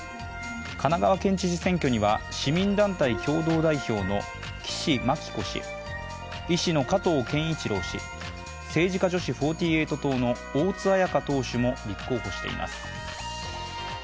神奈川県知事選挙では市民団体共同代表の岸牧子氏医師の加藤健一郎氏、政治家女子４８党の大津綾香党首も立候補しています。